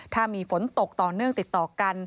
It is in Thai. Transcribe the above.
ถ้ามีฝนตกต่อเนื่องติดต่อกัน